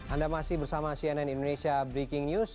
anda masih bersama cnn indonesia breaking news